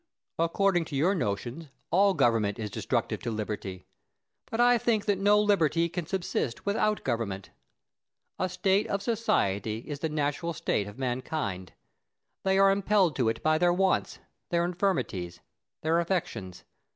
According to your notions all government is destructive to liberty; but I think that no liberty can subsist without government. A state of society is the natural state of mankind. They are impelled to it by their wants, their infirmities, their affections.